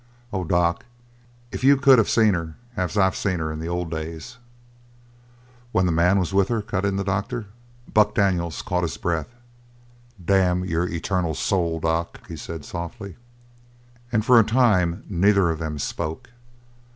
Oh, doc, if you could of seen her as I've seen her in the old days " "When the man was with her?" cut in the doctor. Buck Daniels caught his breath. "Damn your eternal soul, doc!" he said softly. And for a time neither of them spoke.